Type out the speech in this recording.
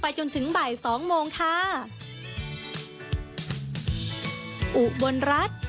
ไปจนถึงบ่าย๒โมงค่ะ